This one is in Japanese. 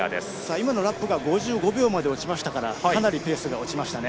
今のラップが５５秒まで落ちたのでかなりペースが落ちました。